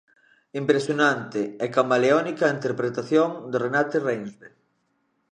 Impresionante e camaleónica interpretación de Renate Reinsve.